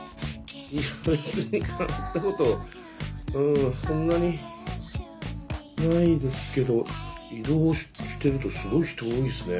いや別に変わったことうんそんなにないですけど移動してるとすごい人多いですね